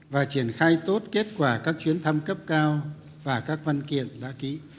và triển khai tốt kết quả các chuyến thăm cấp cao và các văn kiện đã ký